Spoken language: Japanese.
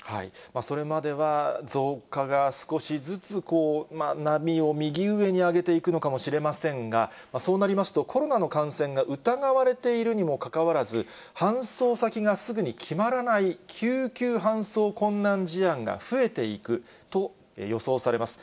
それまでは増加が少しずつ波を右上に上げていくのかもしれませんが、そうなりますと、コロナの感染が疑われているにもかかわらず、搬送先がすぐに決まらない、救急搬送困難事案が増えていくと予想されます。